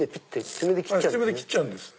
爪で切っちゃうんです。